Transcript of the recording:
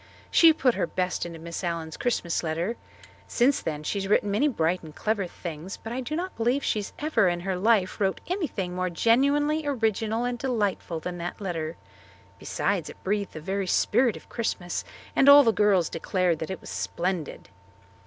She put her best into Miss Allen's Christmas letter. Since then she has written many bright and clever things, but I do not believe she ever in her life wrote anything more genuinely original and delightful than that letter. Besides, it breathed the very spirit of Christmas, and all the girls declared that it was splendid.